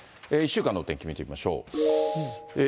１週間のお天気見ておきましょう。